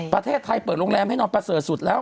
ประเทศไทยเปิดโรงแรมให้นอนประเสริฐสุดแล้ว